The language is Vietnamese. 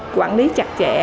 quản lý chặt chẽ